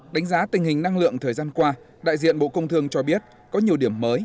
đánh giá tình hình năng lượng thời gian qua đại diện bộ công thương cho biết có nhiều điểm mới